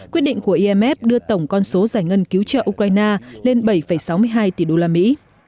quyết định của imf đưa tổng con số giải ngân cứu trợ ukraine lên bảy sáu mươi hai tỷ đô la mỹ